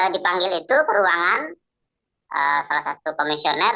dipanggil itu peruangan salah satu komisioner